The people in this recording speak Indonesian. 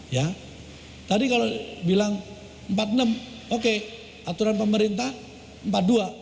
ya tadi kalau bilang empat puluh enam oke aturan pemerintah empat dua